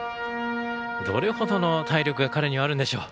どれほどの体力が彼にはあるんでしょう。